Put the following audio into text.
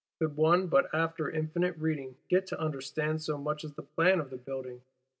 Could one but, after infinite reading, get to understand so much as the plan of the building!